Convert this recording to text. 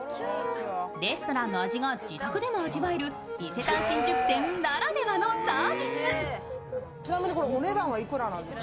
レストランの味が自宅でも味わえる伊勢丹新宿店ならではのサービス。